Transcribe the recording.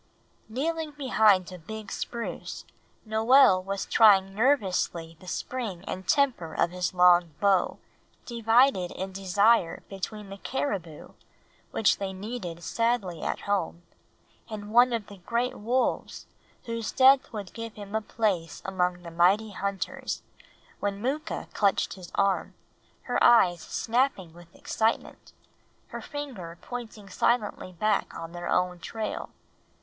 Kneeling behind a big spruce, Noel was trying nervously the spring and temper of his long bow, divided in desire between the caribou, which they needed sadly at home, and one of the great wolves whose death would give him a place among the mighty hunters, when Mooka clutched his arm, her eyes snapping with excitement, her finger pointing silently back on their own trail.